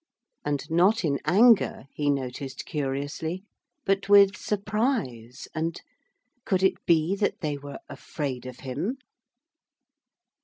And not in anger, he noticed curiously, but with surprise and ... could it be that they were afraid of him?